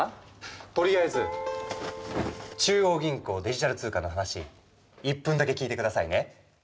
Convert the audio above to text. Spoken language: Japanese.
とりあえず。中央銀行デジタル通貨の話１分だけ聞いてくださいね。